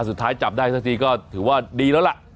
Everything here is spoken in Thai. สุดท้ายจับได้สักทีก็ถือว่าดีแล้วล่ะ